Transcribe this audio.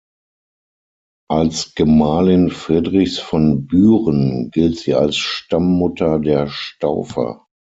Als Gemahlin Friedrichs von Büren gilt sie als Stammmutter der Staufer.